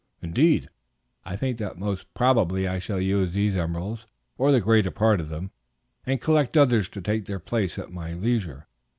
Indeed, I think that most probably I shall use these emeralds, or the greater part of them, and collect others to take their places at my leisure.